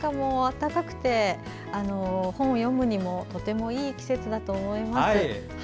暖かくて本を読むにもとてもいい季節だと思います。